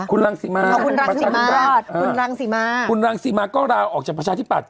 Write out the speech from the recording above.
คุณรังสิมาคุณรังสิมาคุณรังสิมาคุณรังสิมาก็ราออกจากพระชาติที่ปัด